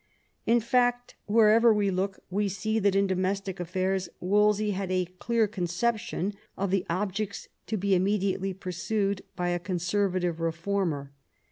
In fact, wherever we look, we see that in domestic affairs Wolsey had a clear conception of the objects to be immediately pursued by a conservative reformer.